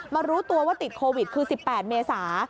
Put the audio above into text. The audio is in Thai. รู้ตัวว่าติดโควิดคือ๑๘เมษา